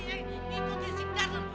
ini mungkin si garland